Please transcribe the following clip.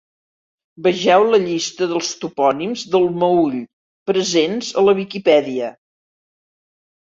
Vegeu la llista dels Topònims del Meüll presents a la Viquipèdia.